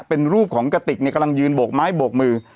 เป็นรูปของกระติกเนี่ยกำลังยืนโบกไม้โบกมือ